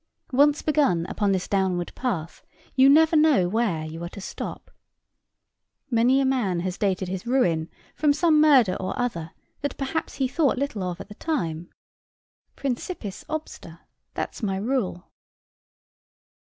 Once begin upon this downward path, you never know where you are to stop. Many a man has dated his ruin from some murder or other that perhaps he thought little of at the time. Principiis obsta that's my rule."